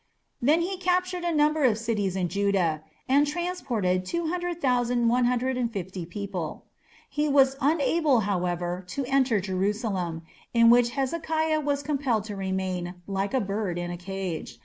Then he captured a number of cities in Judah and transported 200,150 people. He was unable, however, to enter Jerusalem, in which Hezekiah was compelled to remain "like a bird in a cage".